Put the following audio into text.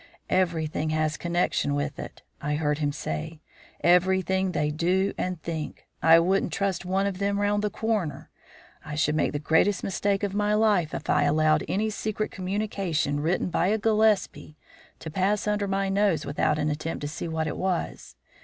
"Everything has connection with it," I heard him say. "Everything they do and think. I wouldn't trust one of them round the corner. I should make the greatest mistake of my life if I allowed any secret communication written by a Gillespie to pass under my nose without an attempt to see what it was.